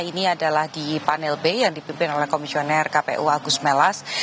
ini adalah di panel b yang dipimpin oleh komisioner kpu agus melas